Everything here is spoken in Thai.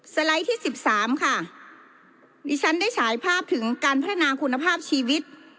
ไลด์ที่สิบสามค่ะดิฉันได้ฉายภาพถึงการพัฒนาคุณภาพชีวิต